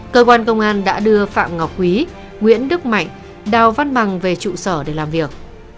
cơ quan công an đã đưa phạm ngọc quý nguyễn đức mạnh đào văn bằng về trụ sở để làm việc